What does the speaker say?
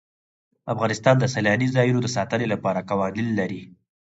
افغانستان د سیلاني ځایونو د ساتنې لپاره قوانین لري.